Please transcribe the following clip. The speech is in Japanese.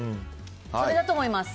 それだと思います。